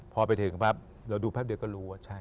พอไปถึงปั๊บเราดูแป๊บเดียวก็รู้ว่าใช่